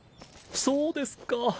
そうですか。